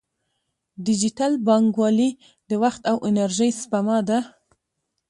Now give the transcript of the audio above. ډیجیټل بانکوالي د وخت او انرژۍ سپما ده.